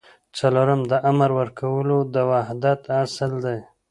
څلورم د امر ورکولو د وحدت اصل دی.